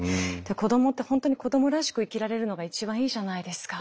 子どもって本当に子どもらしく生きられるのが一番いいじゃないですか。